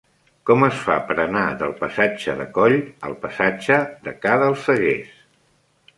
Com es fa per anar del passatge de Coll al passatge de Ca dels Seguers?